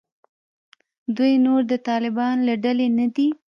دوی نور د طالبانو له ډلې نه دي.